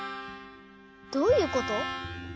どういうこと？